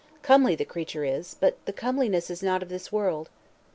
Comely the creature is, but the comeliness is not of this world.